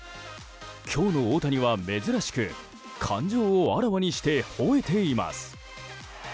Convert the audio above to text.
今日の大谷は珍しく感情をあらわにして吠えています。